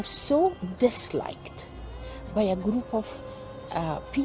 oleh sebuah kumpulan orang yang sebenarnya menguruskan negara ini